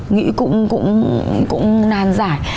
nghĩ cũng nàn giải